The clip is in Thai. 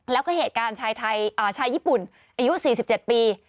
แล้วก็เหตุการณ์ชายญี่ปุ่นอายุ๔๗ปี